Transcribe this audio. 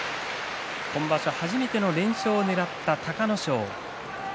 初めての連勝をねらった隆の勝。